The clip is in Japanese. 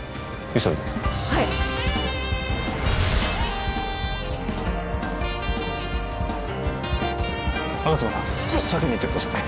急いではい吾妻さん先に行ってください